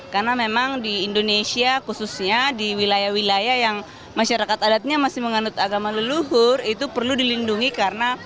karena memang di indonesia khususnya di wilayah wilayah yang masyarakat adatnya masih mengandung agama leluhur itu perlu dilindungi karena terkait erat dengan kegiatan